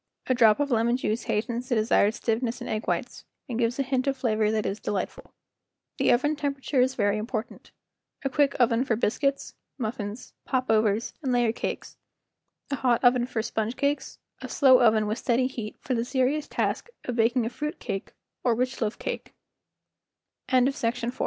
A drop of lemon juice hastens the desired stiffness in egg whites, and gives hint of flavor that is delightful. IO The Making of BISCUITS The oven temperature is very important. A quick oven for bis¬ cuits, muffins, pop overs, and layer cakes; a hot oven for sponge¬ cakes; a slow oven with steady heat for the serious task of baking a fruit